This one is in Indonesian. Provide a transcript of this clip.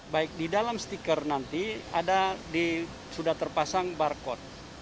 baik di dalam stiker nanti sudah terpasang barcode